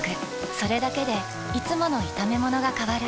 それだけでいつもの炒めものが変わる。